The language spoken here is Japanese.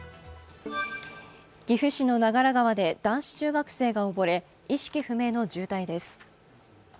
岐阜市の長良川で男子中学生が溺れ意識不明の重体です。